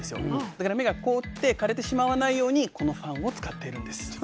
だから芽が凍って枯れてしまわないようにこのファンを使っているんです。